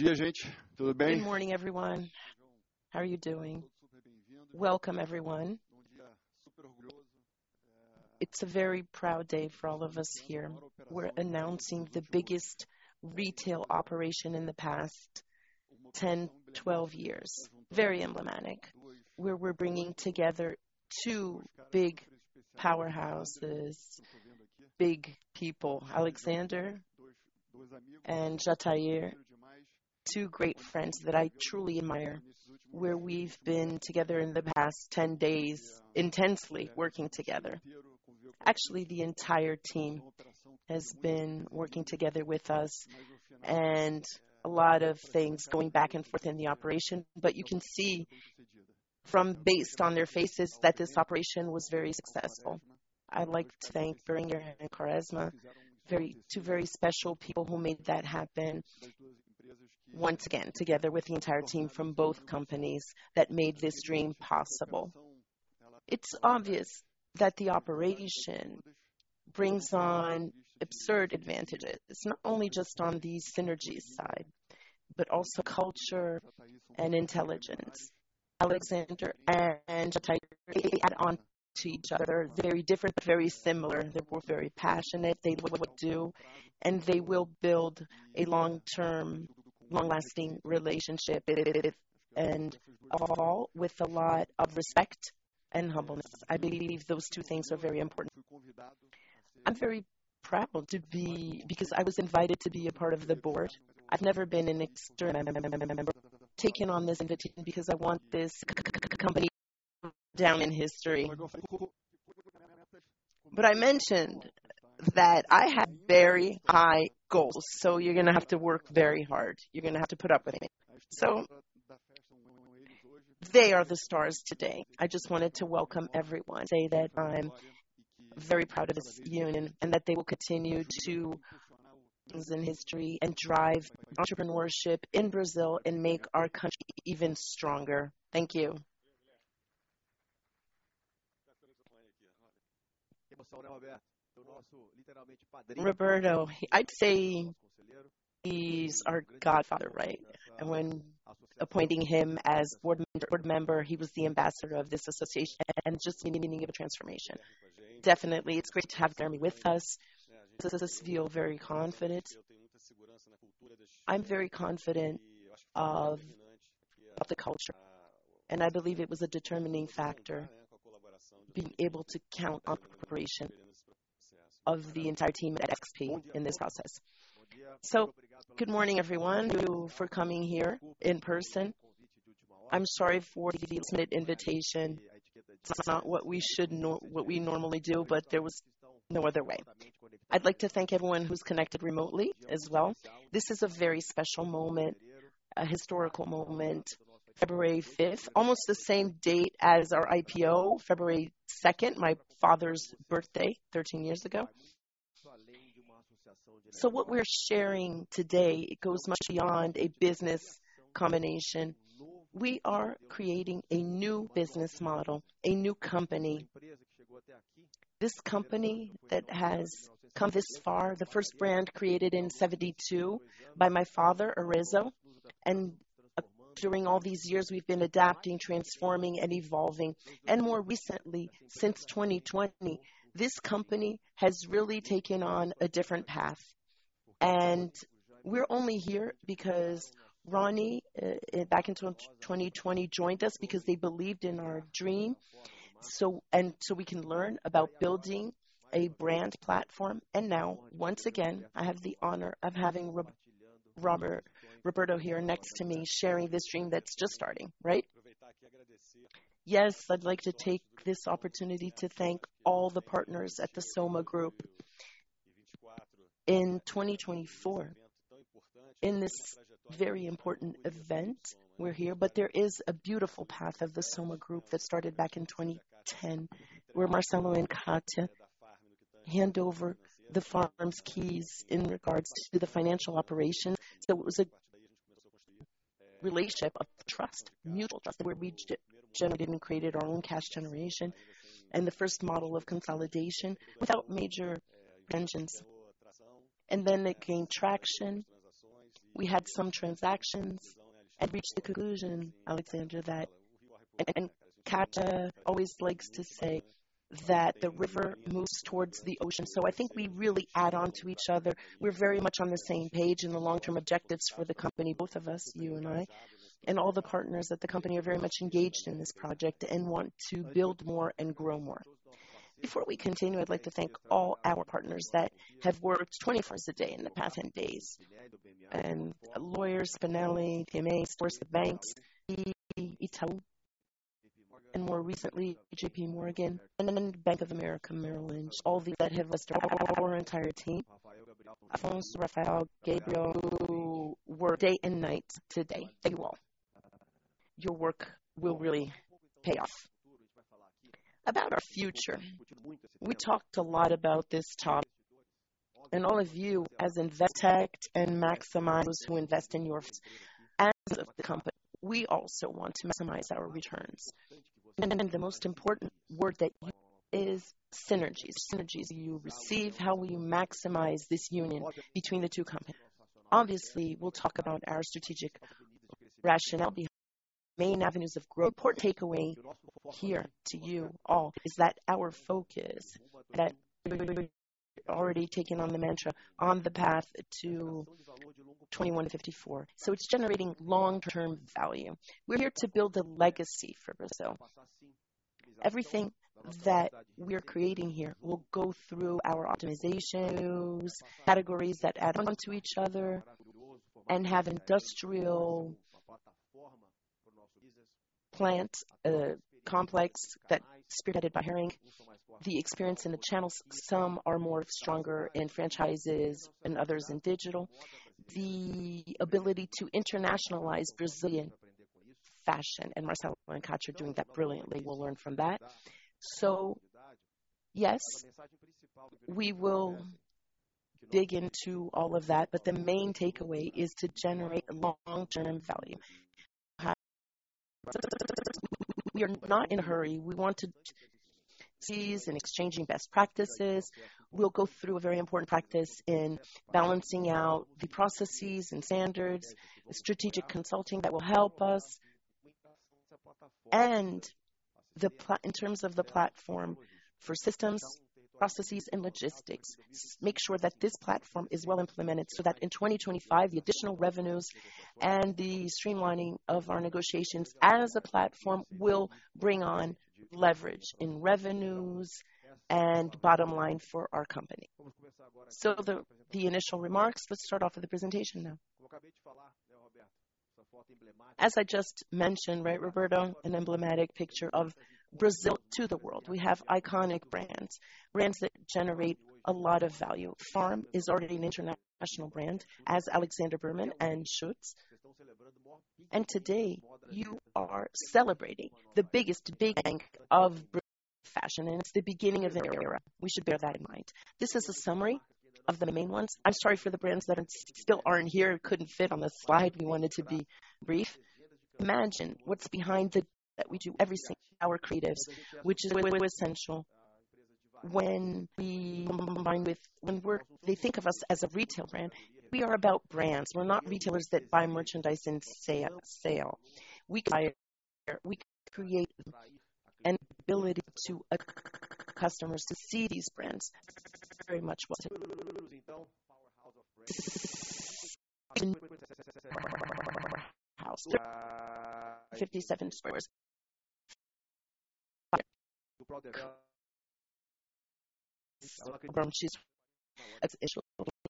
Good morning, everyone. How are you doing? Welcome, everyone. It's a very proud day for all of us here. We're announcing the biggest retail operation in the past 10, 12 years. Very emblematic, where we're bringing together two big powerhouses, big people, Alexandre Birman and Roberto Jatahy, two great friends that I truly admire, where we've been together in the past 10 days, intensely working together. Actually, the entire team has been working together with us, and a lot of things going back and forth in the operation, but you can see, based on their faces, that this operation was very successful. I'd like to thank Berenguer and Quaresma, very, two very special people who made that happen. Once again, together with the entire team from both companies that made this dream possible. It's obvious that the operation brings on absurd advantages; it's not only just on the synergies side, but also culture and intelligence. Alexandre and Jatahy, they add on to each other, very different, but very similar. They're both very passionate, they love what they do, and they will build a long-term, long-lasting relationship, and all with a lot of respect and humbleness. I believe those two things are very important. I'm very proud to be, because I was invited to be a part of the board. I've never been an external member, taking on this invitation because I want this company down in history. But I mentioned that I have very high goals, so you're gonna have to work very hard. You're gonna have to put up with me. So they are the stars today. I just wanted to welcome everyone, say that I'm very proud of this union, and that they will continue to in history and drive entrepreneurship in Brazil and make our country even stronger. Thank you. Roberto, I'd say he's our godfather, right? And when appointing him as board member, he was the ambassador of this association, and just the beginning of a transformation. Definitely, it's great to have Guilherme with us. This makes us feel very confident. I'm very confident of the culture, and I believe it was a determining factor, being able to count on the cooperation of the entire team at XP in this process. So good morning, everyone, thank you for coming here in person. I'm sorry for the last-minute invitation. It's not what we should nor what we normally do, but there was no other way. I'd like to thank everyone who's connected remotely as well. This is a very special moment, a historical moment, February 5, almost the same date as our IPO, February 2, my father's birthday, 13 years ago. So what we're sharing today, it goes much beyond a business combination. We are creating a new business model, a new company. This company that has come this far, the first brand created in 1972 by my father, Arezzo, and during all these years, we've been adapting, transforming, and evolving, and more recently, since 2020, this company has really taken on a different path. And we're only here because Ronnie back in 2020 joined us because they believed in our dream. And so we can learn about building a brand platform, and now, once again, I have the honor of having Roberto here next to me, sharing this dream that's just starting. Right? Yes. I'd like to take this opportunity to thank all the partners at the Soma Group. In 2024, in this very important event, we're here, but there is a beautiful path of the Soma Group that started back in 2010, where Marcelo and Kátia hand over the FARM's keys in regards to the financial operation. So it was a relationship of trust, mutual trust, where we generated and created our own cash generation and the first model of consolidation without major tensions. And then it gained traction. We had some transactions and reached the conclusion, Alexandre, that-- and, and Kátia always likes to say that the river moves towards the ocean. So I think we really add on to each other. We're very much on the same page in the long-term objectives for the company, both of us, you and I, and all the partners at the company are very much engaged in this project, and want to build more and grow more. Before we continue, I'd like to thank all our partners that have worked 24 hours a day in the past 10 days. Lawyers, Spinelli, BMA, of course, the banks, Itaú, and more recently, J.P. Morgan and then Bank of America Merrill Lynch, all those that have... Our entire team, Afonso, Rafael, Gabriel, who worked day and night today. Thank you all. Your work will really pay off. About our future, we talked a lot about this topic, and all of you, as investors protect and maximize those who invest in you as a company, we also want to maximize our returns. The most important word that is synergies. Synergies you receive, how will you maximize this union between the two companies? Obviously, we'll talk about our strategic rationale, the main avenues of growth. Important takeaway here to you all is that our focus, that we've already taken on the mantra on the path to 2154. So it's generating long-term value. We're here to build a legacy for Brazil. Everything that we are creating here will go through our optimizations, categories that add on to each other, and have industrial plants complex, spearheaded by Hering, the experience in the channels. Some are more stronger in franchises and others in digital. The ability to internationalize Brazilian fashion, and Marcelo and Kátia are doing that brilliantly. We'll learn from that. So yes, we will dig into all of that, but the main takeaway is to generate a long-term value. We are not in a hurry. We want to seize and exchanging best practices. We'll go through a very important practice in balancing out the processes and standards, strategic consulting that will help us. And the platform in terms of the platform for systems, processes and logistics, make sure that this platform is well implemented, so that in 2025, the additional revenues and the streamlining of our negotiations as a platform, will bring on leverage in revenues and bottom line for our company. So the, the initial remarks, let's start off with the presentation now. As I just mentioned, right, Roberto, an emblematic picture of Brazil to the world. We have iconic brands, brands that generate a lot of value. Farm is already an international brand, as Alexandre Birman and Schutz. Today, you are celebrating the biggest big bang of Brazilian fashion, and it's the beginning of a new era. We should bear that in mind. This is a summary of the main ones. I'm sorry for the brands that still aren't here, couldn't fit on the slide. We wanted to be brief. Imagine what's behind the that we do every single, our creatives, which is essential when we're they think of us as a retail brand. We are about brands. We're not retailers that buy merchandise and sell, sell. We buy, we create an ability to customers to see these brands, very much well. 57 stores.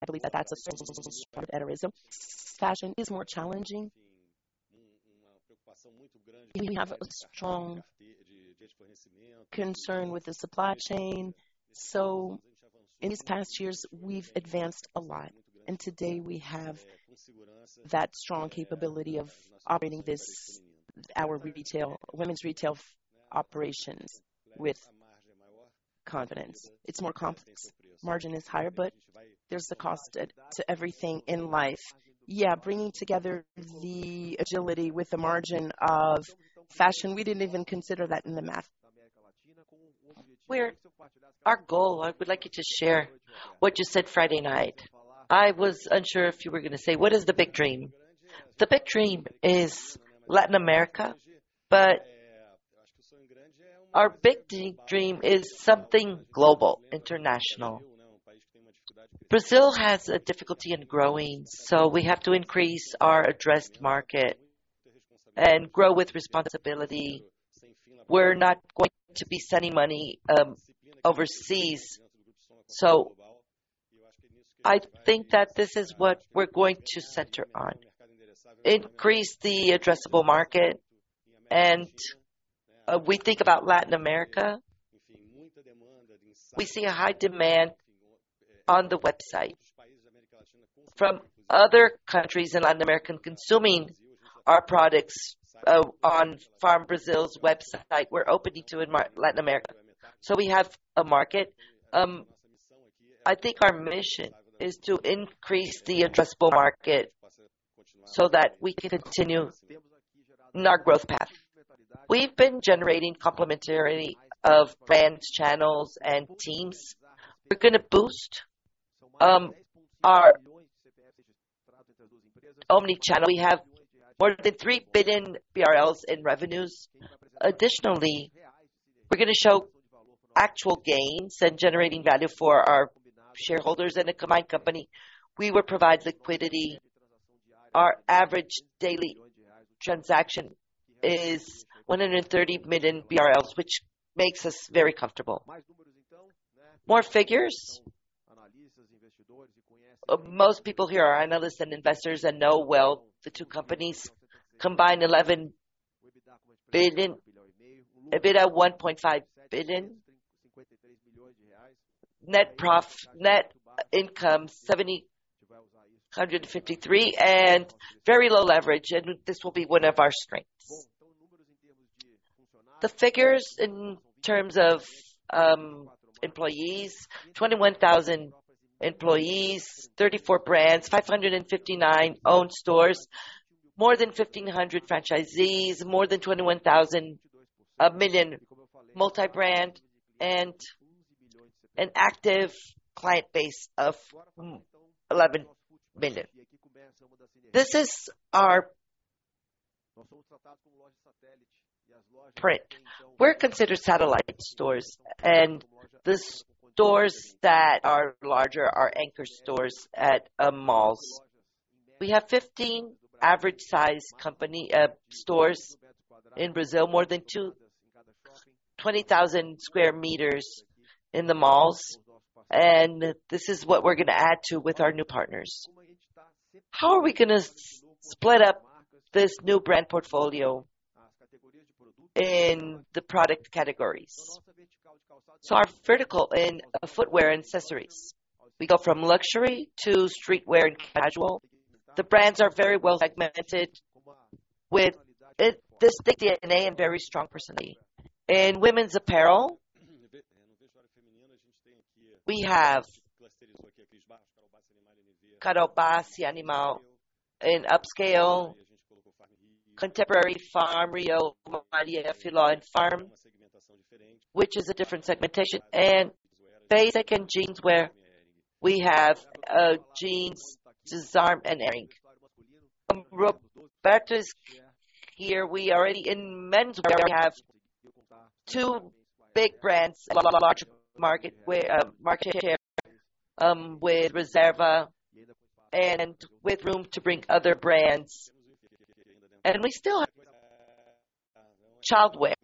I believe that that's a sort of terrorism. Fashion is more challenging. We have a strong concern with the supply chain, so in these past years, we've advanced a lot, and today we have that strong capability of operating this, our retail, women's retail operations with confidence. It's more complex. Margin is higher, but there's the cost to everything in life. Yeah, bringing together the agility with the margin of fashion, we didn't even consider that in the math. Our goal, I would like you to share what you said Friday night. I was unsure if you were gonna say, "What is the big dream?" The big dream is Latin America, but our big dream is something global, international. Brazil has a difficulty in growing, so we have to increase our addressable market and grow with responsibility. We're not going to be sending money overseas. So I think that this is what we're going to center on, increase the addressable market, and we think about Latin America. We see a high demand on the website from other countries in Latin America, consuming our products on Farm Brazil's website. We're opening to Latin America, so we have a market. I think our mission is to increase the addressable market so that we can continue in our growth path. We've been generating complementarity of brands, channels, and teams. We're gonna boost our omnichannel. We have more than 3 billion BRL in revenues. Additionally, we're gonna show actual gains and generating value for our shareholders in a combined company. We will provide liquidity. Our average daily transaction is 130 million BRL, which makes us very comfortable. More figures? Most people here are analysts and investors and know well the two companies combined 11 billion, EBITDA 1.5 billion. Net prof-- net income, 753, and very low leverage, and this will be one of our strengths. The figures in terms of employees, 21,000 employees, 34 brands, 559 owned stores, more than 1,500 franchisees, more than 21,000 multi-brand, and an active client base of 11 million. This is our print. We're considered satellite stores, and the stores that are larger are anchor stores at malls. We have 15 average-sized company stores in Brazil, more than 20,000 square meters in the malls, and this is what we're gonna add to with our new partners. How are we gonna split up this new brand portfolio in the product categories? So our vertical in footwear accessories. We go from luxury to streetwear and casual. The brands are very well segmented with this big DNA and very strong personality. In women's apparel, we have Carol Bassi, Animale, and upscale, contemporary FARM Rio, Filó, and Farm, which is a different segmentation, and basic and jeans, where we have jeans, DZARM, and Hering. Roberto's here, we already in men's, we have two big brands, large market share, with Reserva, and with room to bring other brands. And we still have childwear.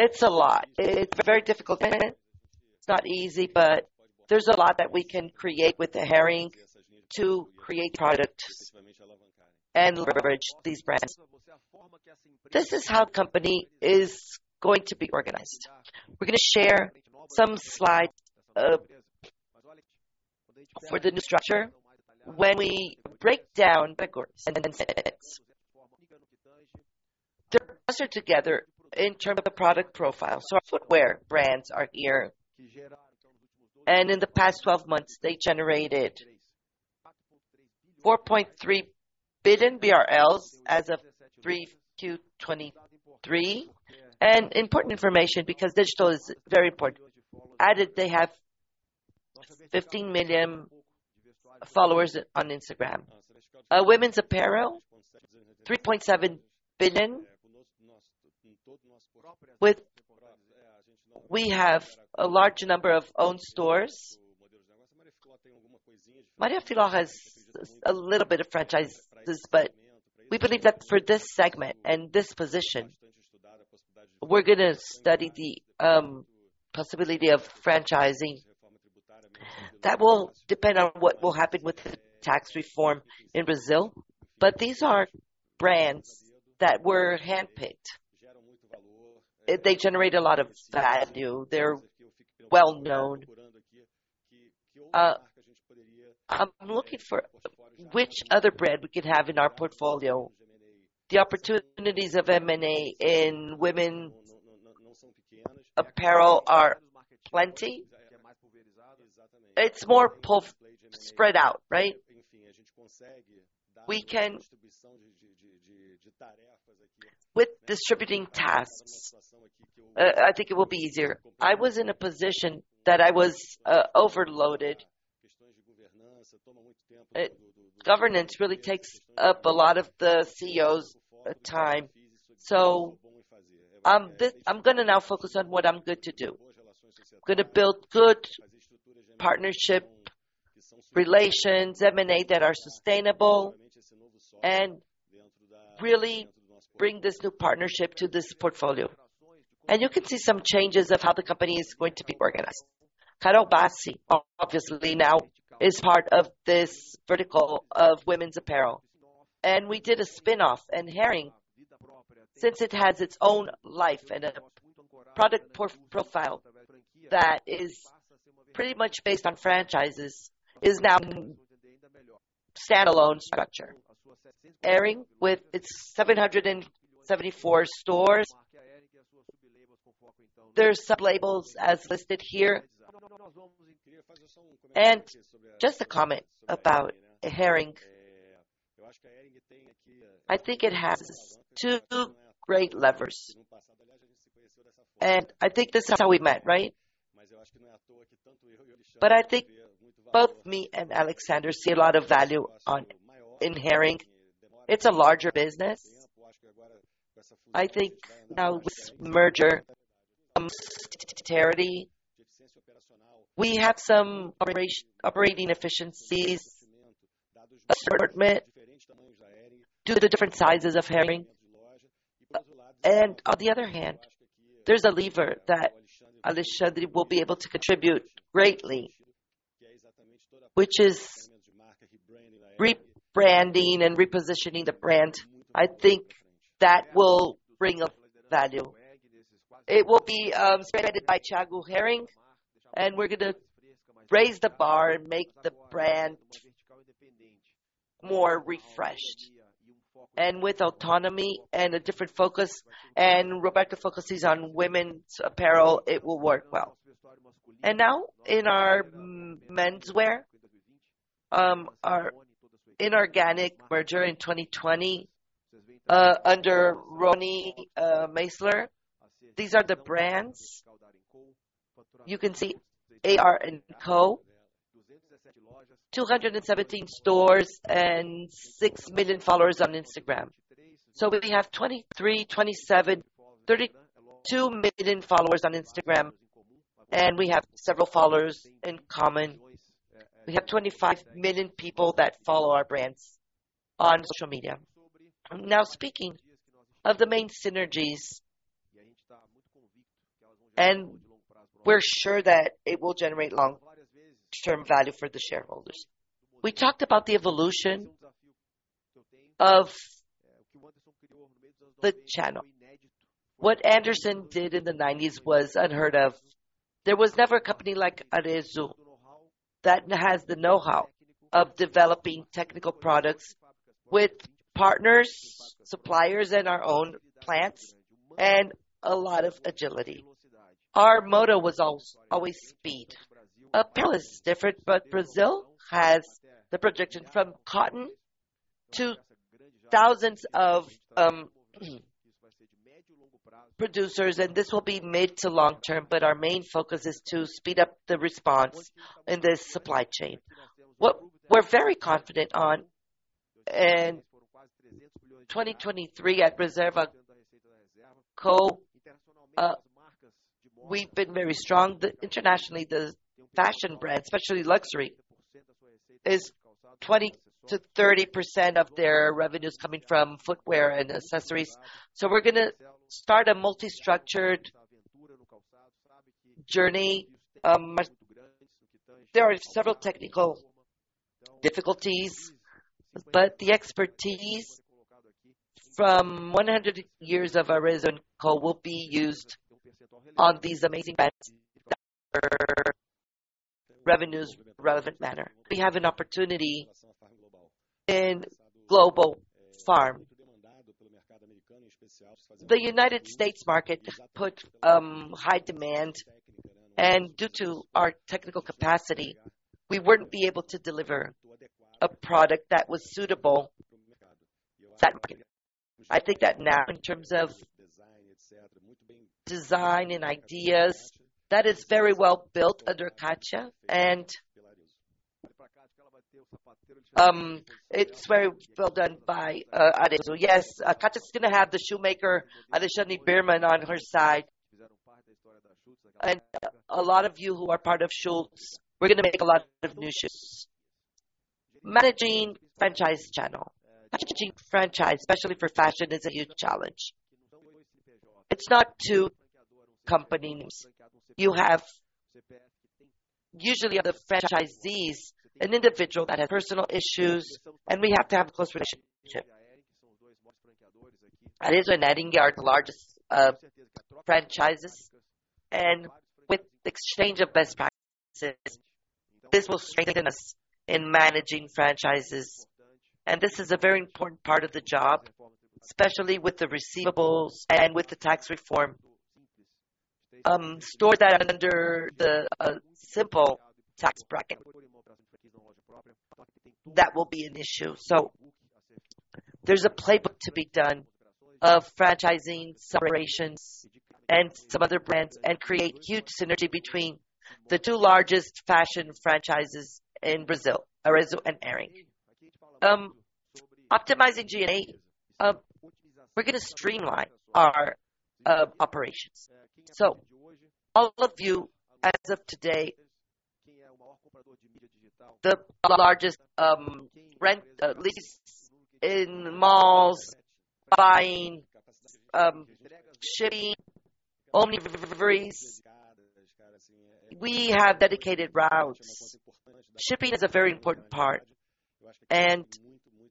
It's a lot. It's very difficult. It's not easy, but there's a lot that we can create with the Hering to create products and leverage these brands. This is how the company is going to be organized. We're gonna share some slides for the new structure when we break down categories and then segments. They are together in terms of the product profile, so our footwear brands are here. And in the past 12 months, they generated 4.3 billion BRL as of 3Q 2023. And important information, because digital is very important. And, they have 15 million followers on Instagram. Women's apparel, BRL 3.7 billion, with, we have a large number of own stores. Maria Filó has a little bit of franchises, but we believe that for this segment and this position, we're gonna study the possibility of franchising. That will depend on what will happen with the tax reform in Brazil, but these are brands that were handpicked. They generate a lot of value, they're well known. I'm looking for which other brand we could have in our portfolio. The opportunities of M&A in women apparel are plenty. It's more spread out, right? We can, with distributing tasks, I think it will be easier. I was in a position that I was overloaded. Governance really takes up a lot of the CEO's time. So, I'm gonna now focus on what I'm good to do. I'm gonna build good partnership relations, M&A, that are sustainable, and really bring this new partnership to this portfolio. You can see some changes of how the company is going to be organized. Carol Bassi, obviously, now is part of this vertical of women's apparel. We did a spin-off, and Hering, since it has its own life and a product profile that is pretty much based on franchises, is now a standalone structure. Hering, with its 774 stores, there's some labels as listed here. Just a comment about Hering. I think it has two great levers. I think this is how we met, right? But I think both me and Alexandre see a lot of value in Hering. It's a larger business. I think now with merger, we have some operating efficiencies, assortment due to the different sizes of Hering. And on the other hand, there's a lever that Alexandre will be able to contribute greatly, which is rebranding and repositioning the brand. I think that will bring up value. It will be spread by Thiago Hering, and we're gonna raise the bar and make the brand fresh, more refreshed. And with autonomy and a different focus, and Roberto focuses on women's apparel, it will work well. And now, in our menswear, our inorganic merger in 2020 under Ronnie Meisler, these are the brands. You can see AR&Co. 217 stores and 6 million followers on Instagram. So we have 23, 27, 32 million followers on Instagram, and we have several followers in common. We have 25 million people that follow our brands on social media. Now, speaking of the main synergies, and we're sure that it will generate long-term value for the shareholders. We talked about the evolution of the channel. What Anderson did in the 1990s was unheard of. There was never a company like Arezzo that has the know-how of developing technical products with partners, suppliers, and our own plants, and a lot of agility. Our motto was always speed. Apparel is different, but Brazil has the projection from cotton to thousands of producers, and this will be mid to long term, but our main focus is to speed up the response in this supply chain. What we're very confident on, and 2023 at Reserva Co, we've been very strong. Internationally, the fashion brand, especially luxury, is 20%-30% of their revenues coming from footwear and accessories. So we're gonna start a multi-structured journey. There are several technical difficulties, but the expertise from 100 years of Arezzo&Co will be used on these amazing brands that are revenue relevant manner. We have an opportunity in global FARM. The United States market put high demand, and due to our technical capacity, we wouldn't be able to deliver a product that was suitable. I think that now, in terms of design and ideas, that is very well built under Kátia, and it's very well done by Arezzo. Yes, Kátia is gonna have the shoemaker, Alexandre Birman, on her side. And a lot of you who are part of Schutz, we're gonna make a lot of new shoes. Managing franchise channel. Managing franchise, especially for fashion, is a huge challenge. It's not two companies. You have usually, the franchisees, an individual that has personal issues, and we have to have a close relationship. Arezzo and Hering are the largest franchises, and with exchange of best practices, this will strengthen us in managing franchises. And this is a very important part of the job, especially with the receivables and with the tax reform. Store that under the simple tax bracket. That will be an issue. So there's a playbook to be done of franchising celebrations and some other brands, and create huge synergy between the two largest fashion franchises in Brazil, Arezzo and Hering. Optimizing DNA, we're gonna streamline our operations. So all of you, as of today, the largest rent lease in malls, buying, shipping, omni deliveries, we have dedicated routes. Shipping is a very important part, and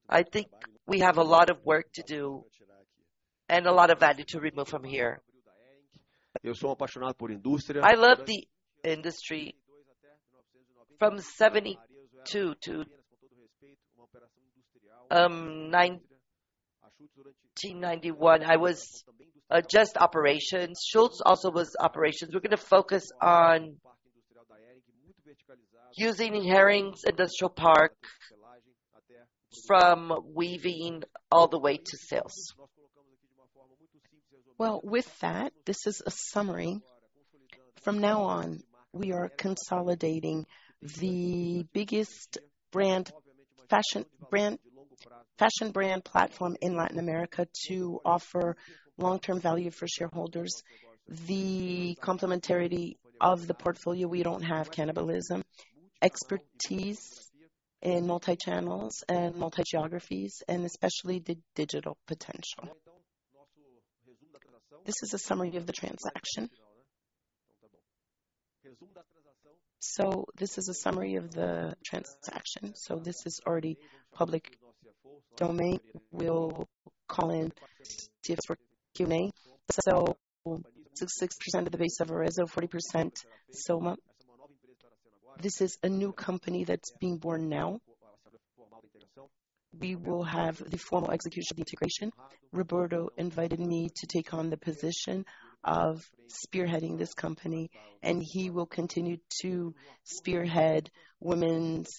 I think we have a lot of work to do and a lot of value to remove from here. I love the industry. From 1972 to 1991, I was just operations. Schutz also was operations. We're gonna focus on using Hering's industrial park from weaving all the way to sales. Well, with that, this is a summary. From now on, we are consolidating the biggest brand, fashion brand, fashion brand platform in Latin America to offer long-term value for shareholders. The complementarity of the portfolio, we don't have cannibalism, expertise in multi-channels and multi-geographies, and especially the digital potential. This is a summary of the transaction. So this is a summary of the transaction, so this is already public domain. We'll call in Steve for Q&A. So 66% of the base of Arezzo, 40% Soma. ...This is a new company that's being born now. We will have the formal execution of the integration. Roberto invited me to take on the position of spearheading this company, and he will continue to spearhead women's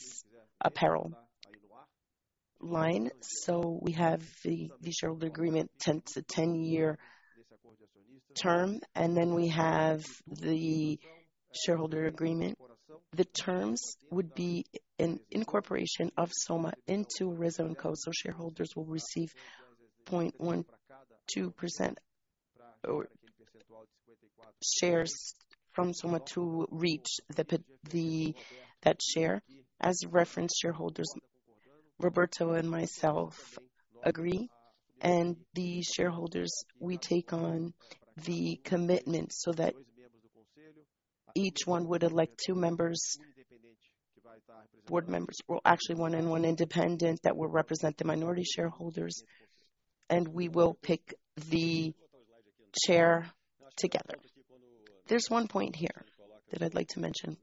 apparel line. So we have the shareholder agreement, 10- to 10-year term, and then we have the shareholder agreement. The terms would be an incorporation of Soma into Arezzo&Co, so shareholders will receive 0.12% shares from Soma to reach the that share. As reference shareholders, Roberto and myself agree, and the shareholders, we take on the commitment so that each one would elect two members, board members. Well, actually, one and one independent, that will represent the minority shareholders, and we will pick the chair together. There's one point here that I'd like to mention.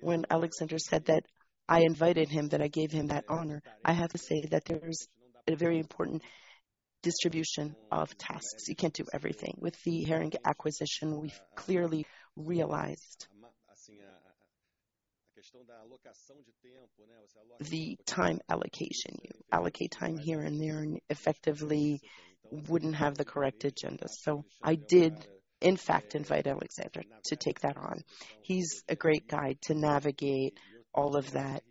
When Alexandre said that I invited him, that I gave him that honor, I have to say that there's a very important distribution of tasks. You can't do everything. With the Hering acquisition, we've clearly realized the time allocation. You allocate time here and there, and effectively wouldn't have the correct agenda. So I did, in fact, invite Alexandre to take that on. He's a great guy to navigate all of that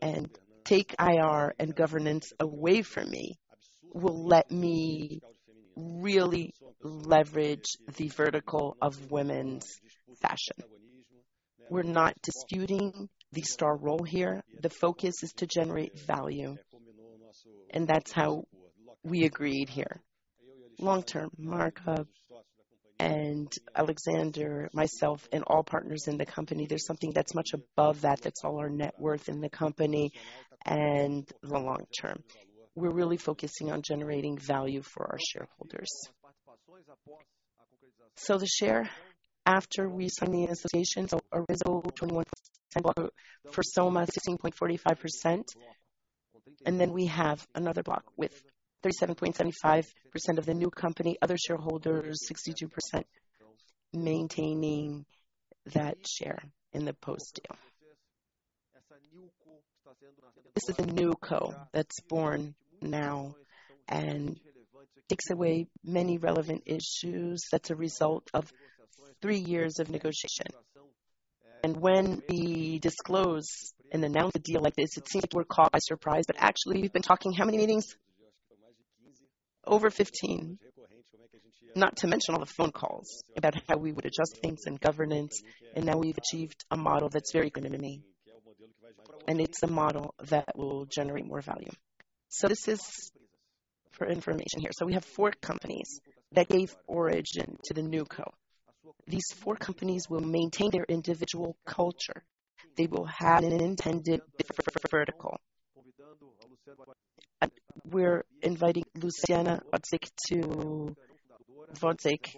and take IR and governance away from me, will let me really leverage the vertical of women's fashion. We're not disputing the star role here. The focus is to generate value, and that's how we agreed here. Long-term, Marco and Alexandre, myself and all partners in the company, there's something that's much above that. That's all our net worth in the company and the long term. We're really focusing on generating value for our shareholders. So the share after we sign the association, so Arezzo, 21%, for Soma, 16.45%, and then we have another block with 37.75% of the new company, other shareholders, 62%, maintaining that share in the post deal. This is the NewCo that's born now and takes away many relevant issues. That's a result of 3 years of negotiation. When we disclose and announce a deal like this, it seems like we're caught by surprise, but actually, we've been talking how many meetings? Over 15. Not to mention all the phone calls about how we would adjust things in governance, and now we've achieved a model that's very good to me, and it's a model that will generate more value. So this is for information here. So we have four companies that gave origin to the NewCo. These four companies will maintain their individual culture. They will have an intended vertical. We're inviting Luciana Wodzik to, Wodzik,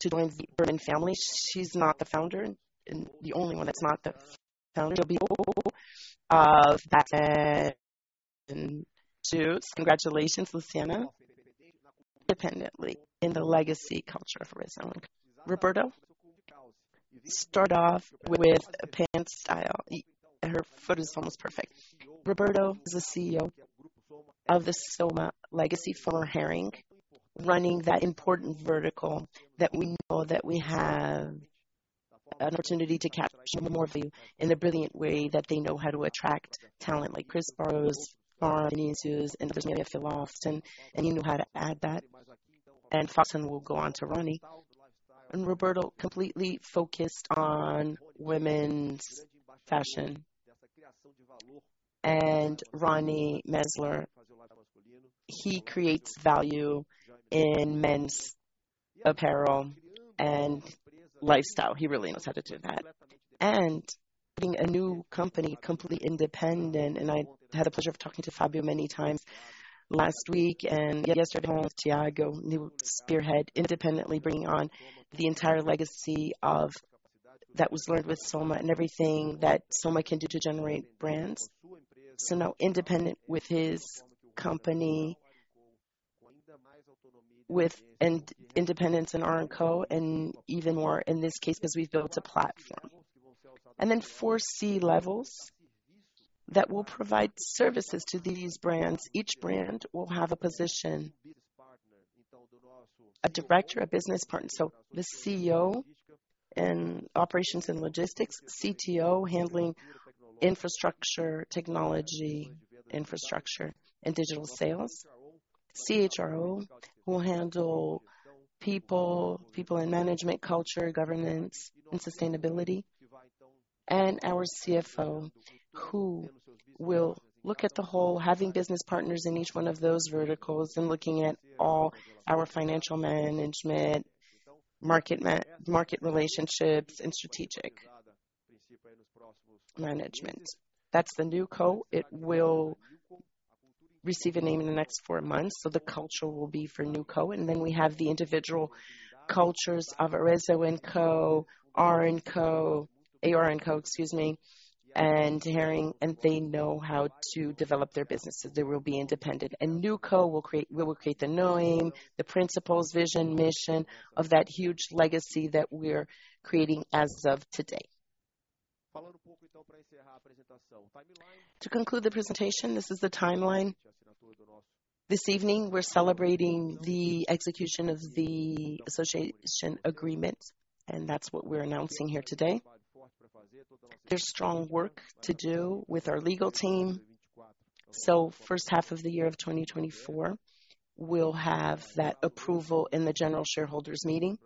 to join the Birman family. She's not the founder, and the only one that's not the founder, she'll be of that. Congratulations, Luciana. Independently, in the legacy culture of Arezzo. Roberto, start off with a pan style. Her photo is almost perfect. Roberto is the CEO of the Soma legacy for Hering, running that important vertical that we know that we have an opportunity to capture more value in the brilliant way that they know how to attract talent like Cris Barros, João Diniz, and Foxton, and you know how to add that, and Foxton will go on to Rony. And Roberto, completely focused on women's fashion. And Rony Meisler, he creates value in men's apparel and lifestyle. He really knows how to do that. Being a new company, completely independent, and I had the pleasure of talking to Fábio many times last week and yesterday with Thiago, new spearhead, independently bringing on the entire legacy of that was learned with Soma and everything that Soma can do to generate brands. So now independent with his company, with an independence in Arezzo, and even more in this case, because we've built a platform. And then four C-levels that will provide services to these brands. Each brand will have a position, a director, a business partner, so the CEO in operations and logistics, CTO, handling infrastructure, technology, infrastructure and digital sales. CHRO, will handle people, people in management, culture, governance, and sustainability. And our CFO, who will look at the whole, having business partners in each one of those verticals and looking at all our financial management, market relationships and strategic management. That's the NewCo. It will receive a name in the next four months, so the culture will be for NewCo, and then we have the individual cultures of Arezzo&Co, R&Co, AR&Co, excuse me, and Hering, and they know how to develop their businesses. They will be independent, and NewCo will create, will create the knowing, the principles, vision, mission of that huge legacy that we're creating as of today. To conclude the presentation, this is the timeline. This evening, we're celebrating the execution of the association agreement, and that's what we're announcing here today. There's strong work to do with our legal team. So first half of 2024, we'll have that approval in the general shareholders meeting.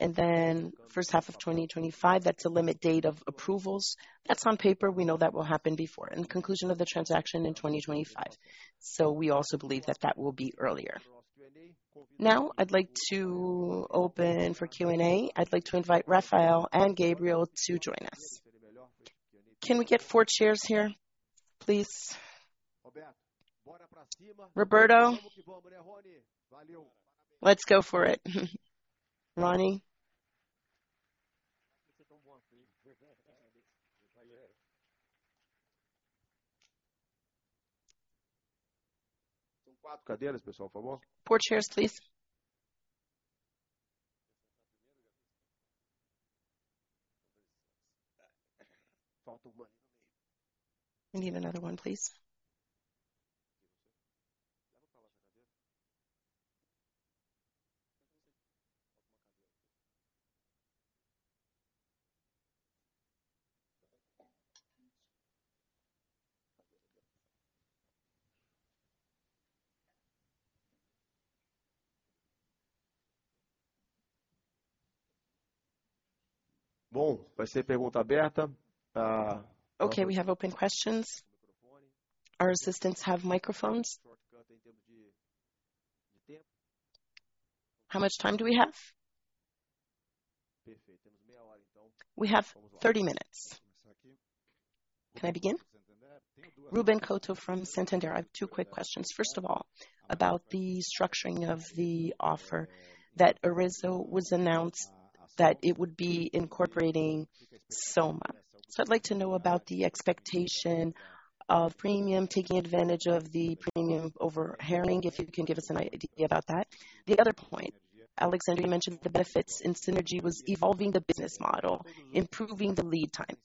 And then first half of 2025, that's a limit date of approvals. That's on paper, we know that will happen before, and conclusion of the transaction in 2025. So we also believe that that will be earlier. Now, I'd like to open for Q&A. I'd like to invite Rafael and Gabriel to join us. Can we get 4 chairs here, please? Roberto, let's go for it. Ronnie? 4 chairs, please. We need another one, please. Okay, we have open questions. Our assistants have microphones. How much time do we have? We have 30 minutes. Can I begin? Ruben Couto from Santander. I have 2 quick questions. First of all, about the structuring of the offer, that Arezzo was announced that it would be incorporating Soma. So I'd like to know about the expectation of premium, taking advantage of the premium over Hering, if you can give us an idea about that. The other point, Alexandre mentioned the benefits, and synergies was evolving the business model, improving the lead time.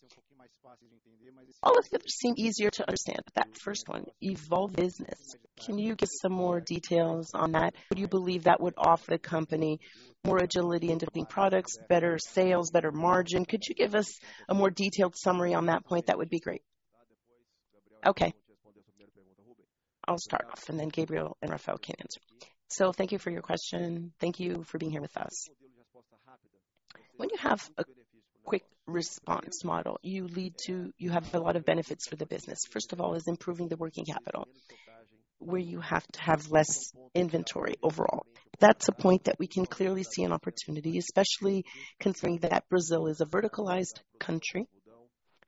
All of that seem easier to understand, but that first one, evolve business. Can you give some more details on that? Would you believe that would offer the company more agility into being products, better sales, better margin? Could you give us a more detailed summary on that point? That would be great. Okay. I'll start off, and then Gabriel and Rafael can answer. So thank you for your question. Thank you for being here with us. When you have a quick response model, you lead to, you have a lot of benefits for the business. First of all, is improving the working capital, where you have to have less inventory overall. That's a point that we can clearly see an opportunity, especially considering that Brazil is a verticalized country,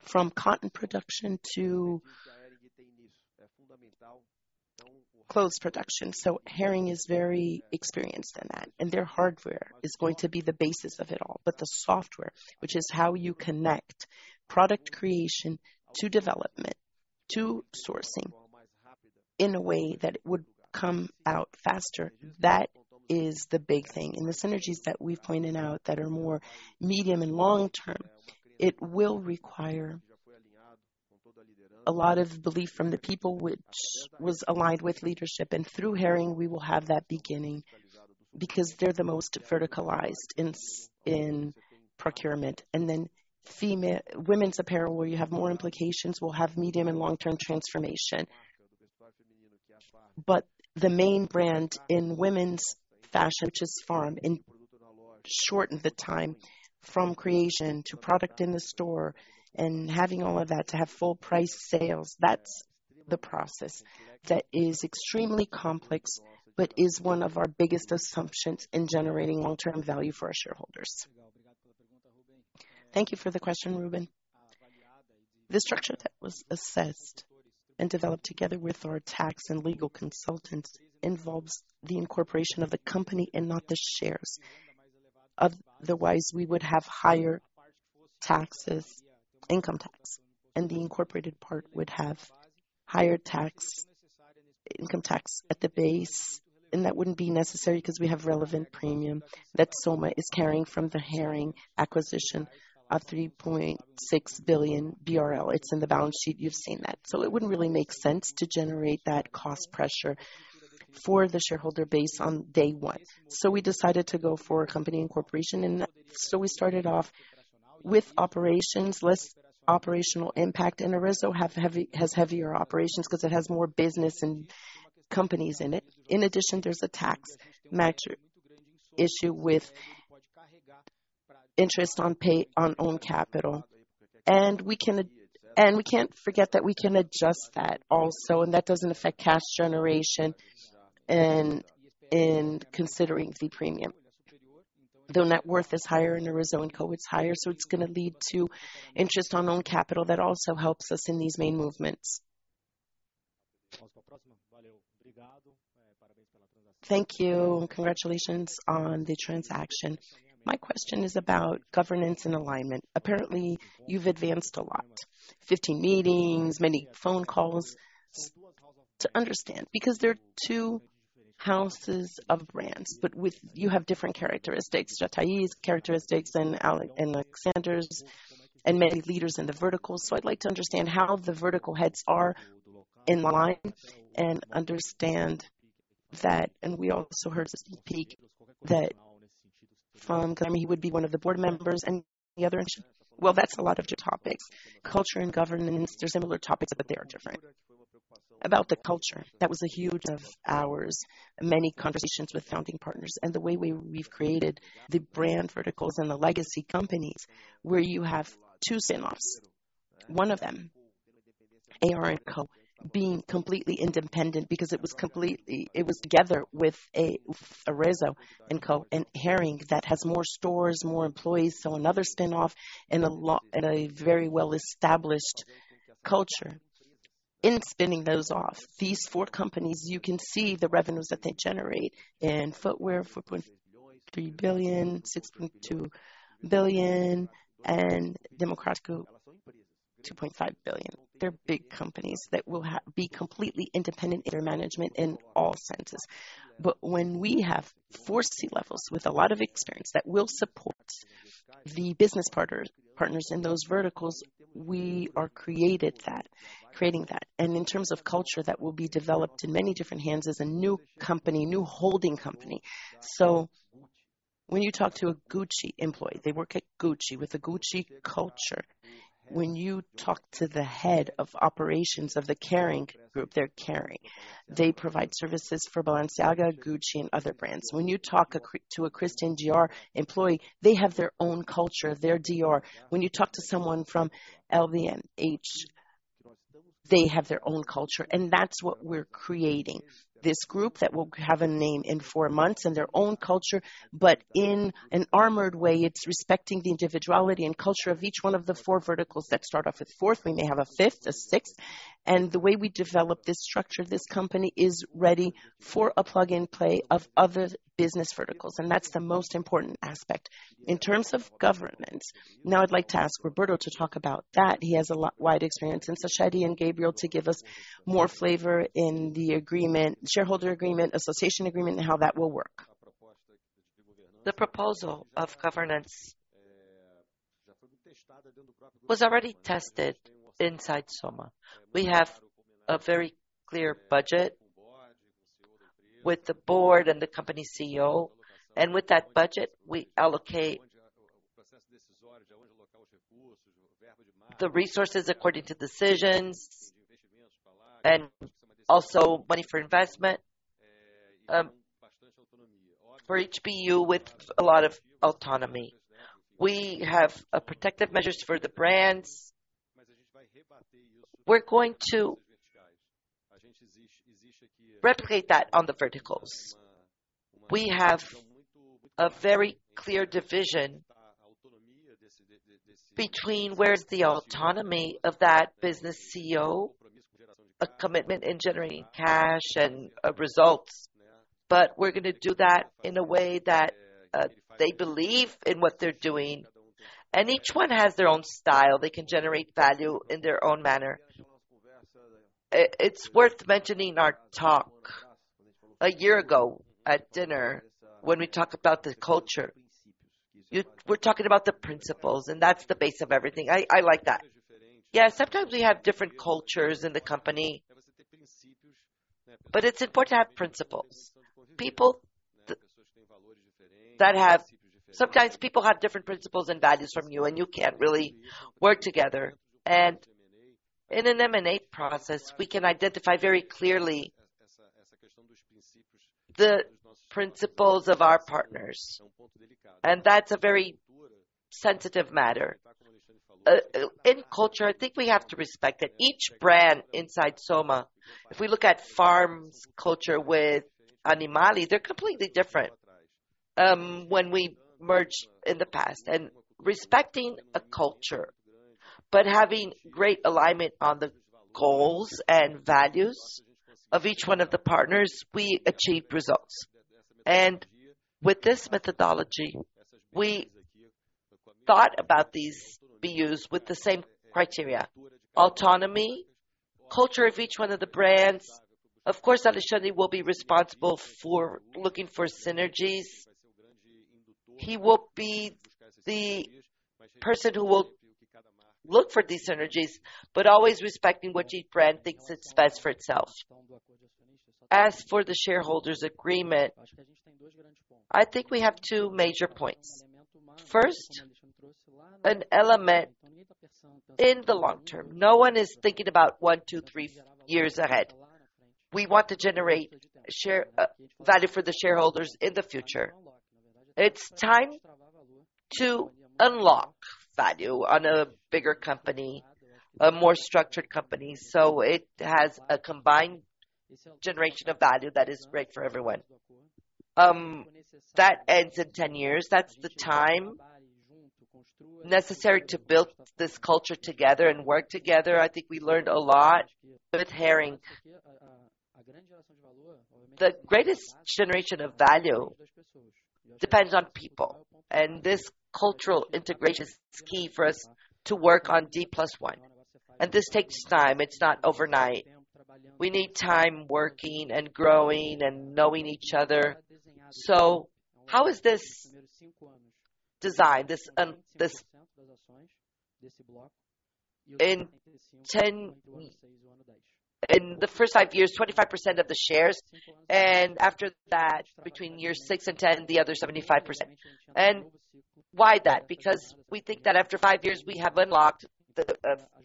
from cotton production to clothes production. So Hering is very experienced in that, and their hardware is going to be the basis of it all. But the software, which is how you connect product creation to development, to sourcing in a way that it would come out faster, that is the big thing. And the synergies that we pointed out that are more medium and long term, it will require a lot of belief from the people which was aligned with leadership, and through Hering, we will have that beginning because they're the most verticalized in procurement. And then women's apparel, where you have more implications, will have medium and long-term transformation. But the main brand in women's fashion, which is FARM, and shorten the time from creation to product in the store and having all of that to have full price sales, that's the process that is extremely complex, but is one of our biggest assumptions in generating long-term value for our shareholders. Thank you for the question, Ruben. The structure that was assessed and developed together with our tax and legal consultants involves the incorporation of the company and not the shares. Otherwise, we would have higher taxes, income tax, and the incorporated part would have higher tax, income tax at the base, and that wouldn't be necessary because we have relevant premium that Soma is carrying from the Hering acquisition of 3.6 billion BRL. It's in the balance sheet, you've seen that. It wouldn't really make sense to generate that cost pressure for the shareholder base on day one. We decided to go for a company incorporation in that. We started off with operations, less operational impact, and Arezzo&Co has heavier operations because it has more business and companies in it. In addition, there's a tax matter issue with interest on own capital. And we can, and we can't forget that we can adjust that also, and that doesn't affect cash generation in considering the premium. The net worth is higher in Arezzo&Co, it's higher, so it's gonna lead to interest on own capital. That also helps us in these main movements. Thank you. Congratulations on the transaction. My question is about governance and alignment. Apparently, you've advanced a lot. 15 meetings, many phone calls to understand, because there are two houses of brands, but with—you have different characteristics, Jatahy's characteristics and Alexandre's, and many leaders in the vertical. So I'd like to understand how the vertical heads are in line and understand that. And we also heard from Pedro that Farm, I mean, he would be one of the board members and the other. Well, that's a lot of two topics. Culture and governance, they're similar topics, but they are different. About the culture, that was a huge of ours, many conversations with founding partners and the way we've created the brand verticals and the legacy companies, where you have two spin-offs. One of them, AR&Co, being completely independent because it was together with Arezzo&Co, and Hering that has more stores, more employees, so another spin-off and a lot and a very well-established culture. In spinning those off, these four companies, you can see the revenues that they generate. In footwear, 4.3 billion, 6.2 billion, and democrático, 2.5 billion. They're big companies that will be completely independent in their management in all senses. But when we have four C-levels with a lot of experience that will support the business partner, partners in those verticals, we're creating that. And in terms of culture, that will be developed in many different hands as a new company, new holding company. So when you talk to a Gucci employee, they work at Gucci with a Gucci culture. When you talk to the head of operations of the Kering group, they're Kering. They provide services for Balenciaga, Gucci, and other brands. When you talk to a Christian Dior employee, they have their own culture, their Dior. When you talk to someone from LVMH, they have their own culture, and that's what we're creating. This group that will have a name in four months and their own culture, but in an armored way, it's respecting the individuality and culture of each one of the four verticals that start off with fourth. We may have a fifth, a sixth. And the way we develop this structure, this company, is ready for a plug-in play of other business verticals, and that's the most important aspect. In terms of governance, now I'd like to ask Roberto to talk about that. He has a lot wide experience, and Sachete and Gabriel to give us more flavor in the agreement, shareholder agreement, association agreement, and how that will work. The proposal of governance was already tested inside Soma. We have a very clear budget with the board and the company CEO, and with that budget, we allocate the resources according to decisions and also money for investment for HBU with a lot of autonomy. We have protective measures for the brands. We're going to replicate that on the verticals. We have a very clear division between where's the autonomy of that business CEO, a commitment in generating cash and results. But we're gonna do that in a way that they believe in what they're doing, and each one has their own style. They can generate value in their own manner. It's worth mentioning our talk a year ago at dinner when we talked about the culture. You-- we're talking about the principles, and that's the base of everything. I like that. Yeah, sometimes we have different cultures in the company, but it's important to have principles. People that have sometimes people have different principles and values from you, and you can't really work together. And in an M&A process, we can identify very clearly the principles of our partners, and that's a very sensitive matter. In culture, I think we have to respect that each brand inside Soma, if we look at Farm's culture with Animale, they're completely different, when we merged in the past. And respecting a culture, but having great alignment on the goals and values of each one of the partners, we achieved results. And with this methodology, we thought about these BUs with the same criteria, autonomy, culture of each one of the brands. Of course, Alexandre will be responsible for looking for synergies. He will be the person who will look for these synergies, but always respecting what each brand thinks is best for itself. As for the shareholders' agreement, I think we have two major points. First, an element in the long term. No one is thinking about one, two, three years ahead. We want to generate share value for the shareholders in the future. It's time to unlock value on a bigger company, a more structured company, so it has a combined generation of value that is great for everyone. That ends in 10 years. That's the time necessary to build this culture together and work together. I think we learned a lot with Hering. The greatest generation of value depends on people, and this cultural integration is key for us to work on D plus one. And this takes time, it's not overnight. We need time working and growing and knowing each other. So how is this designed, this? In the first five years, 25% of the shares, and after that, between years 6 and 10, the other 75%. And why that? Because we think that after five years, we have unlocked the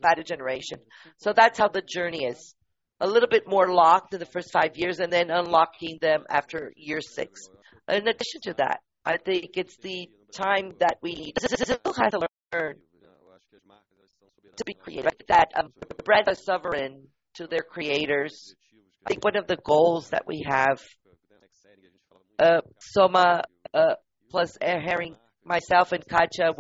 value generation. So that's how the journey is. A little bit more locked in the first five years, and then unlocking them after year 6. In addition to that, I think it's the time that we still have to learn to be creative, that brand is sovereign to their creators. I think one of the goals that we have, Soma plus Hering, myself, and Kátia,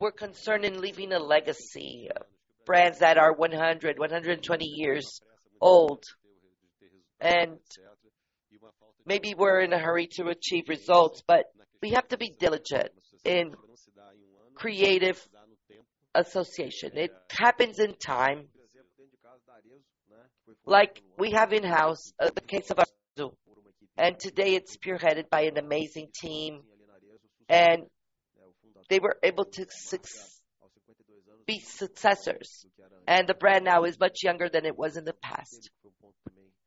we're concerned in leaving a legacy of brands that are 100, 120 years old. Maybe we're in a hurry to achieve results, but we have to be diligent in creative association. It happens in time. Like we have in-house, the case of Arezzo, and today, it's spearheaded by an amazing team, and they were able to be successors, and the brand now is much younger than it was in the past.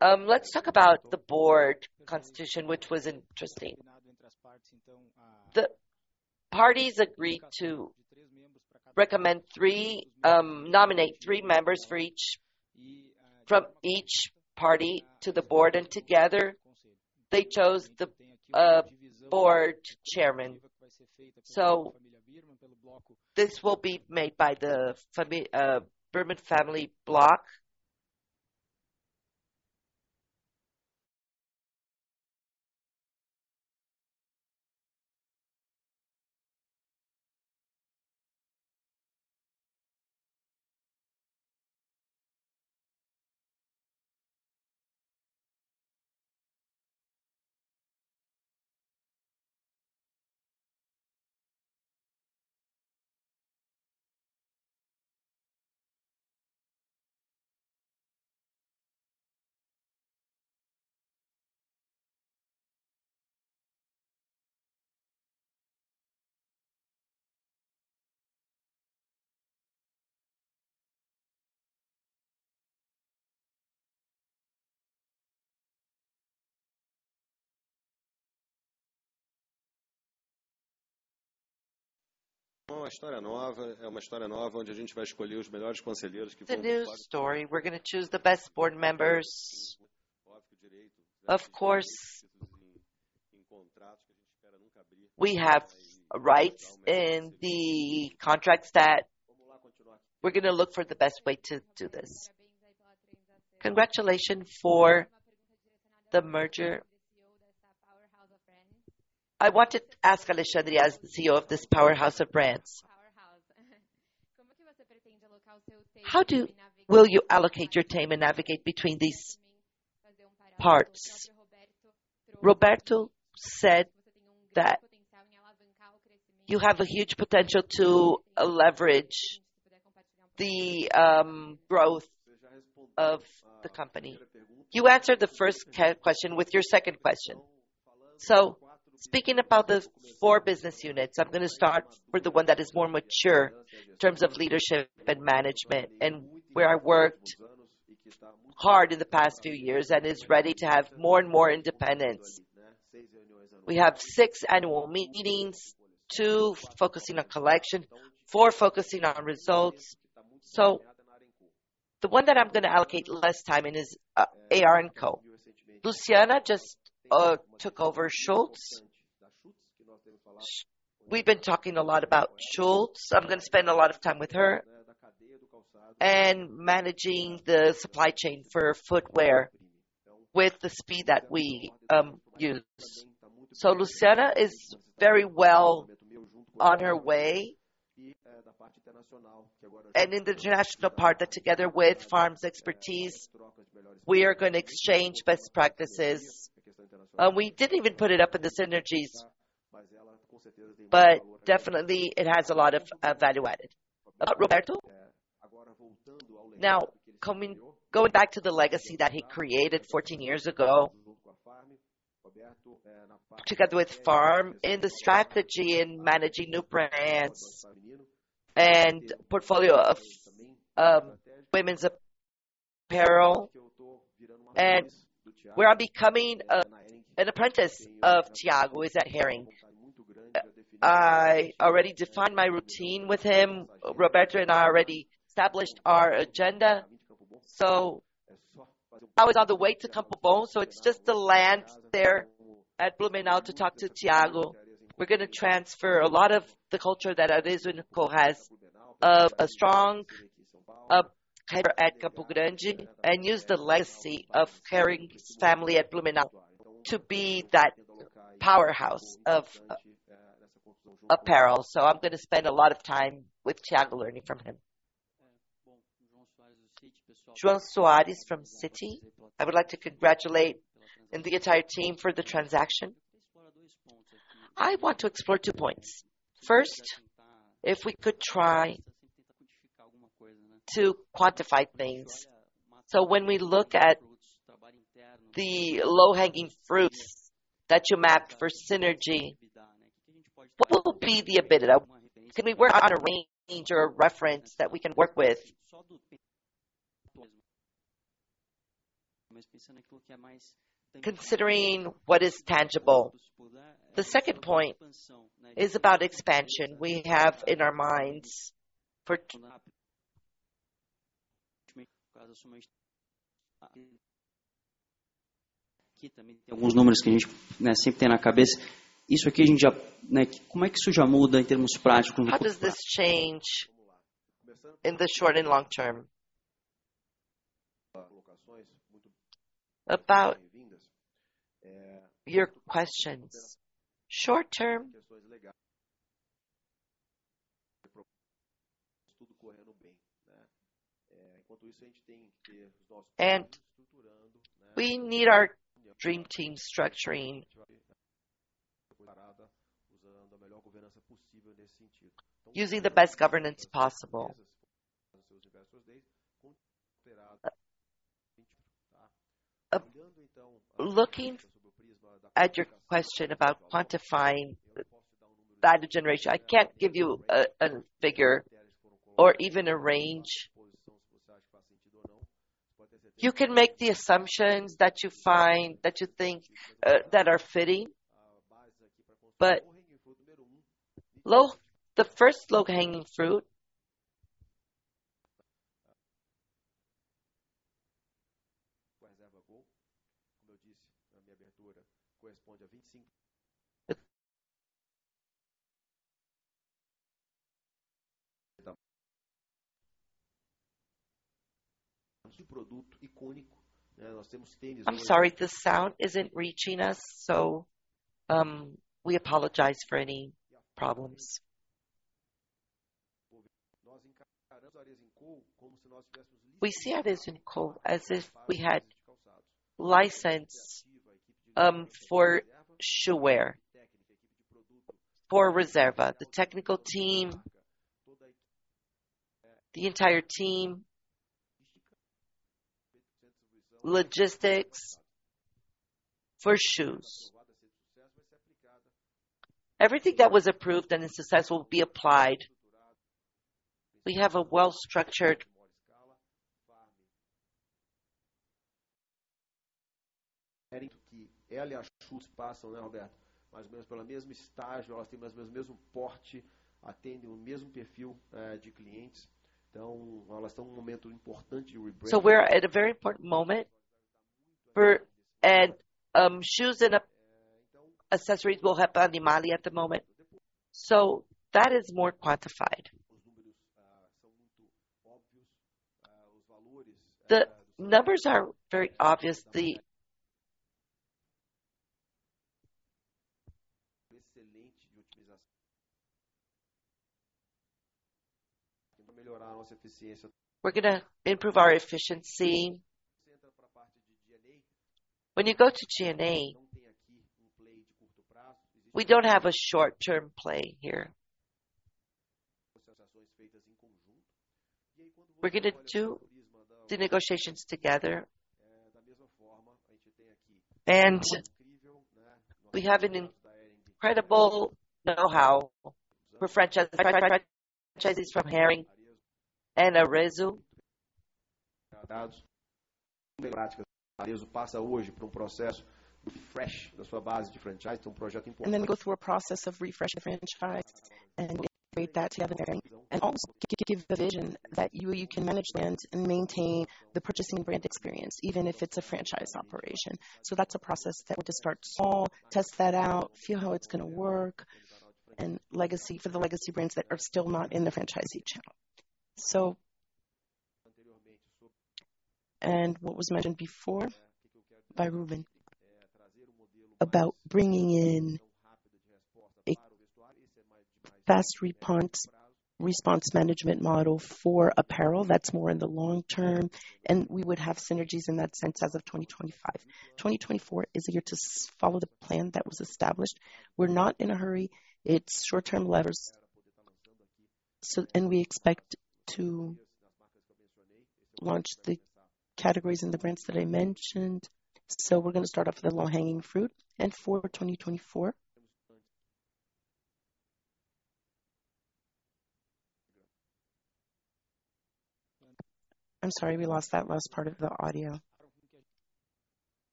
Let's talk about the board constitution, which was interesting. The parties agreed to recommend three, nominate three members for each from each party to the board, and together, they chose the board chairman. So this will be made by the Birman family block. It's a new story. We're gonna choose the best board members. Of course, we have rights in the contracts that we're gonna look for the best way to do this. Congratulations for the merger. I wanted to ask Alexandre as the CEO of this powerhouse of brands. How will you allocate your time and navigate between these parts? Roberto said that you have a huge potential to leverage the growth of the company. You answered the first question with your second question. So speaking about the four business units, I'm gonna start with the one that is more mature in terms of leadership and management, and where I worked hard in the past few years and is ready to have more and more independence. We have 6 annual meetings, 2 focusing on collection, 4 focusing on results. So the one that I'm gonna allocate less time in is AR&Co. Luciana just took over Schutz. We've been talking a lot about Schutz. I'm gonna spend a lot of time with her and managing the supply chain for footwear with the speed that we use. So Luciana is very well on her way. And in the international part, that together with Farm's expertise, we are gonna exchange best practices. We didn't even put it up in the synergies, but definitely, it has a lot of value added. Roberto? Now, going back to the legacy that he created 14 years ago, together with Farm, in the strategy in managing new brands and portfolio of women's apparel, and where I'm becoming an apprentice of Thiago is at Hering. I already defined my routine with him. Roberto and I already established our agenda, so I was on the way to Campo Bom, so it's just to land there at Blumenau to talk to Thiago. We're gonna transfer a lot of the culture that Arezzo&Co has, of a strong headquarters at Campo Bom, and use the legacy of Hering's family at Blumenau to be that powerhouse of apparel. So I'm gonna spend a lot of time with Thiago learning from him. João Soares from Citi. I would like to congratulate and the entire team for the transaction. I want to explore two points. First, if we could try to quantify things. So when we look at the low-hanging fruits that you mapped for synergy, what will be the EBITDA? Can we work on a range or reference that we can work with? Considering what is tangible. The second point is about expansion we have in our minds for how does this change in the short and long term? About your questions. Short term: we need our dream team structuring, using the best governance possible. Looking at your question about quantifying the value generation, I can't give you a, a figure or even a range. You can make the assumptions that you find-- that you think that are fitting. But the first low-hanging fruit... I'm sorry, the sound isn't reaching us, so we apologize for any problems. We see Arezzo&Co as if we had license for footwear for Reserva. The technical team, the entire team, logistics for shoes. Everything that was approved and is successful will be applied. We have a well-structured... So we're at a very important moment for-- and shoes and accessories will have Animale at the moment, so that is more quantified. The numbers are very obvious. We're gonna improve our efficiency. When you go to G&A, we don't have a short-term play here. We're gonna do the negotiations together. We have an incredible know-how for franchises from Hering and Arezzo. And then go through a process of refreshing the franchise and integrate that together, and also give the vision that you, you can manage brands and maintain the purchasing brand experience, even if it's a franchise operation. So that's a process that we'll just start small, test that out, feel how it's gonna work, and legacy—for the legacy brands that are still not in the franchisee channel. So and what was mentioned before by Ruben, about bringing in a fast response—response management model for apparel, that's more in the long term, and we would have synergies in that sense as of 2025. 2024 is a year to follow the plan that was established. We're not in a hurry. It's short-term levers, so—and we expect to launch the categories and the brands that I mentioned. So we're gonna start off with the low-hanging fruit and for 2024.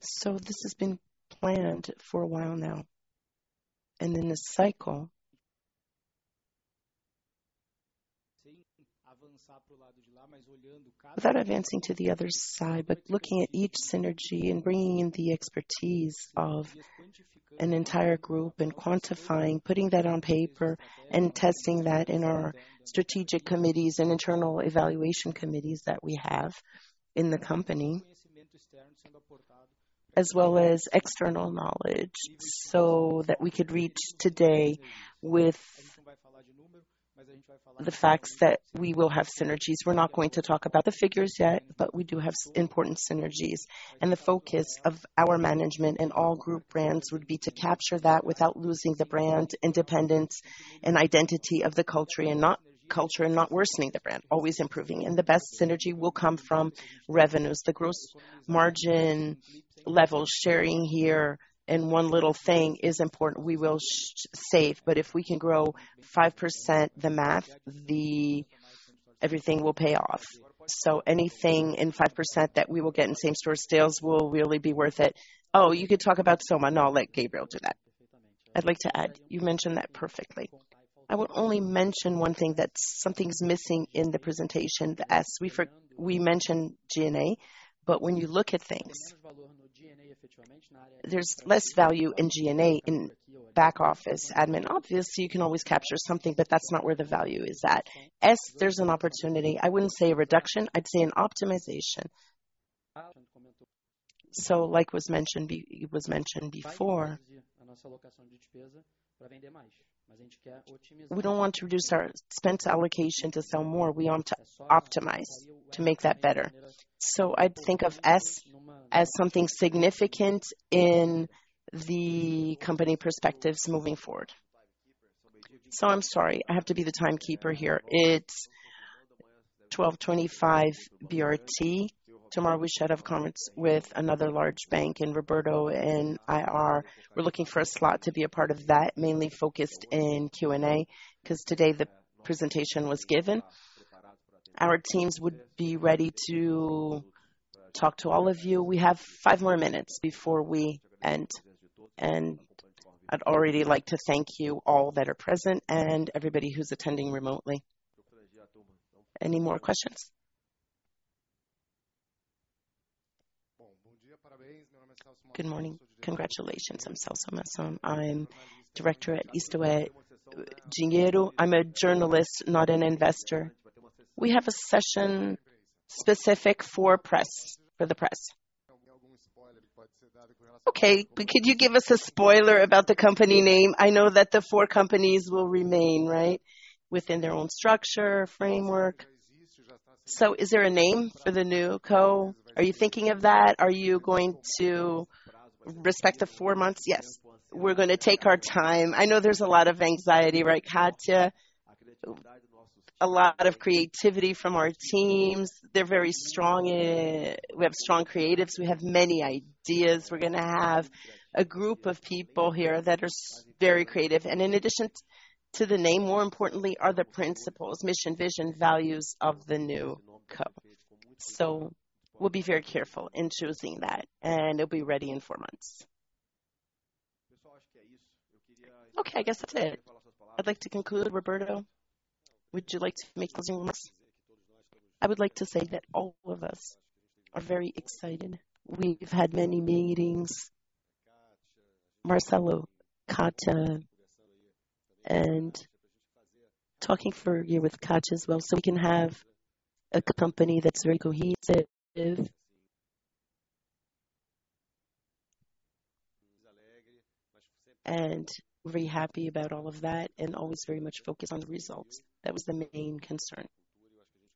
So this has been planned for a while now, and in this cycle, without advancing to the other side, but looking at each synergy and bringing in the expertise of an entire group and quantifying, putting that on paper, and testing that in our strategic committees and internal evaluation committees that we have in the company, as well as external knowledge, so that we could reach today with the facts that we will have synergies. We're not going to talk about the figures yet, but we do have important synergies, and the focus of our management and all group brands would be to capture that without losing the brand independence and identity of the culture, and not culture, and not worsening the brand, always improving. The best synergy will come from revenues, the gross margin level sharing here, and one little thing is important, we will save, but if we can grow 5% the math, everything will pay off. So anything in 5% that we will get in same-store sales will really be worth it. Oh, you could talk about Soma. No, I'll let Gabriel do that. I'd like to add. You mentioned that perfectly. I would only mention one thing, that something's missing in the presentation. As we mentioned G&A, but when you look at things, there's less value in G&A, in back office, admin. Obviously, you can always capture something, but that's not where the value is at. As there's an opportunity, I wouldn't say a reduction, I'd say an optimization. So like was mentioned, it was mentioned before, we don't want to reduce our expense allocation to sell more. We want to optimize to make that better. So I'd think of S as something significant in the company perspectives moving forward. So I'm sorry, I have to be the timekeeper here. It's 12:25 P.M. BRT. Tomorrow, we should have comments with another large bank and Roberto and IR. We're looking for a slot to be a part of that, mainly focused in Q&A, 'cause today the presentation was given. Our teams would be ready to talk to all of you. We have five more minutes before we end, and I'd already like to thank you all that are present and everybody who's attending remotely. Any more questions? Good morning. Congratulations. I'm Celso Masson. I'm Director at IstoÉ Dinheiro. I'm a journalist, not an investor. We have a session specific for press, for the press. Okay, but could you give us a spoiler about the company name? I know that the four companies will remain, right, within their own structure, framework. So is there a name for the new co? Are you thinking of that? Are you going to respect the four months? Yes, we're gonna take our time. I know there's a lot of anxiety, right, Kátia? A lot of creativity from our teams. They're very strong. We have strong creatives. We have many ideas. We're gonna have a group of people here that are very creative, and in addition to the name, more importantly, are the principles, mission, vision, values of the new co. So we'll be very careful in choosing that, and it'll be ready in four months. Okay, I guess that's it. I'd like to conclude, Roberto, would you like to make closing remarks? I would like to say that all of us are very excited. We've had many meetings, Marcelo, Kátia, and talking for here with Kátia as well, so we can have a company that's very cohesive and very happy about all of that, and always very much focused on the results. That was the main concern,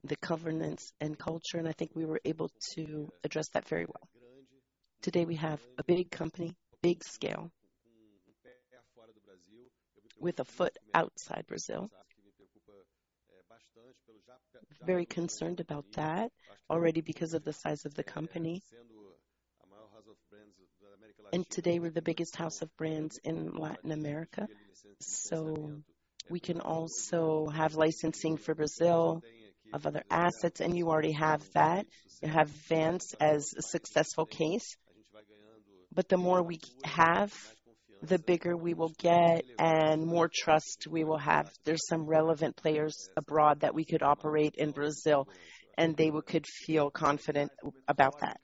the governance and culture, and I think we were able to address that very well. Today, we have a big company, big scale, with a foot outside Brazil. Very concerned about that already because of the size of the company. Today, we're the biggest house of brands in Latin America, so we can also have licensing for Brazil of other assets, and you already have that. You have Vans as a successful case, but the more we have, the bigger we will get and more trust we will have. There's some relevant players abroad that we could operate in Brazil, and they could feel confident about that.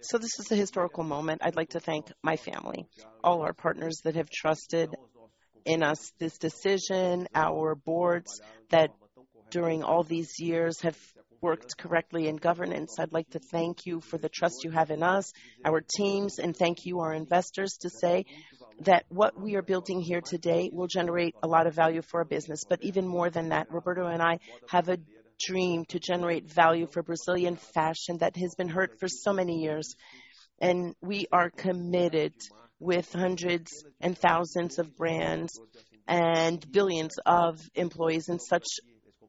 So this is a historical moment. I'd like to thank my family, all our partners that have trusted in us, this decision, our boards, that during all these years have worked correctly in governance. I'd like to thank you for the trust you have in us, our teams, and thank you, our investors, to say that what we are building here today will generate a lot of value for our business. But even more than that, Roberto and I have a dream to generate value for Brazilian fashion that has been hurt for so many years, and we are committed with hundreds and thousands of brands and billions of employees in such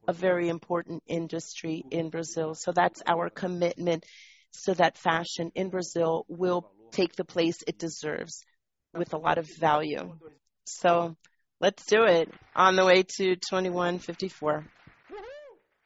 a very important industry in Brazil. That's our commitment, so that fashion in Brazil will take the place it deserves with a lot of value. Let's do it on the way to 2154.